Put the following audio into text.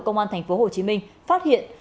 công an tp hcm phát hiện